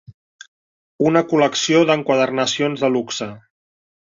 Una col·lecció d'enquadernacions de luxe.